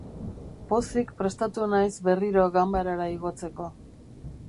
Pozik prestatu naiz berriro ganbarara igotzeko.